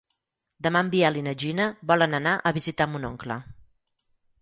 Demà en Biel i na Gina volen anar a visitar mon oncle.